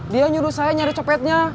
dia nyuruh saya nyari copetnya